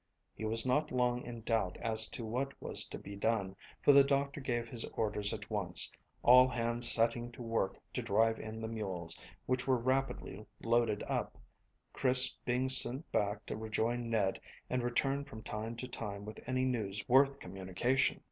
He was not long in doubt as to what was to be done, for the doctor gave his orders at once, all hands setting to work to drive in the mules, which were rapidly loaded up, Chris being sent back to rejoin Ned and return from time to time with any news worth communication.